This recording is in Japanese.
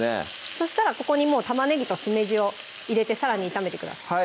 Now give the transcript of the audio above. そしたらここにもう玉ねぎとしめじを入れてさらに炒めてください